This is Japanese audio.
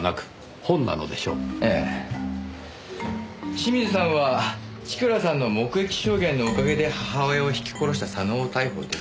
清水さんは千倉さんの目撃証言のおかげで母親をひき殺した佐野を逮捕出来た。